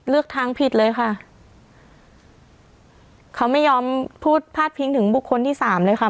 เลือกทางผิดเลยค่ะเขาไม่ยอมพูดพาดพิงถึงบุคคลที่สามเลยค่ะ